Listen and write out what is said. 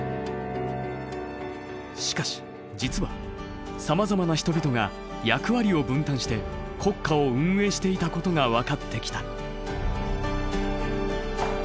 しかし実はさまざまな人々が役割を分担して国家を運営していたことが分かってきた。